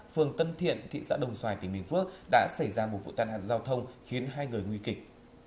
phường tân thiện thị xã đồng xoài tỉnh bình phước đã xảy ra một vụ tàn hạ giao thông khiến hai người nguy kịch